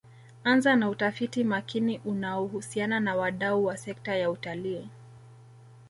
Anza na utafiti makini unaohusiana na wadau wa sekta ya utalii